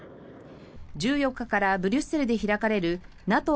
１４日からブリュッセルで開かれるＮＡＴＯ